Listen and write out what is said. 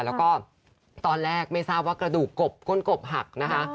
แล้วก็ตอนแรกไม่ทราบว่ากระดูกก้นกบหักนะคะ